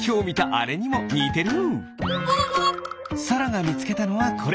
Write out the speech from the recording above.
さらがみつけたのはこれ。